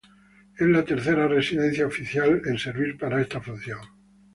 Es la tercera residencia oficial en servir para esta función.